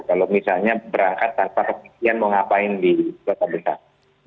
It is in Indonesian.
kalau misalnya berangkat tanpa kepastian mau ngapain di kota besar